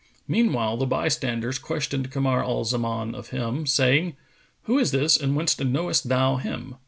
Meanwhile the bystanders questioned Kamar al Zaman of him, saying, "Who is this and whence knowest thou him?"